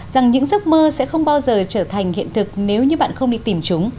rằng những giấc mơ sẽ không bao giờ trở thành hiện thực nếu như bạn không đi tìm chúng